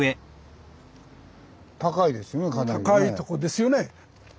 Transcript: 高いとこですよね。